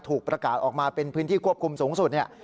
ถูกประกาศออกมาเป็นพื้นที่ควบคุมสูงสุดเนี่ย